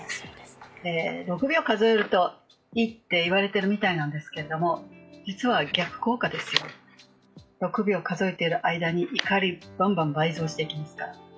６秒数えるといいっていうふうに言われてるらしいですけれども実は逆効果です、６秒数えている間に怒りがばんばん倍増していきますから。